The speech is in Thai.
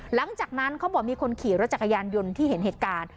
หลังจากนั้นเขาบอกมีคนขี่รถจักรยานยนต์ที่เห็นเหตุการณ์